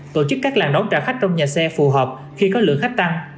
tổ chức các làng đón trả khách trong nhà xe phù hợp khi có lượng khách tăng